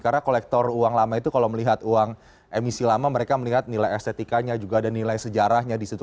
karena kolektor uang lama itu kalau melihat uang emisi lama mereka melihat nilai estetikanya juga ada nilai sejarahnya di situ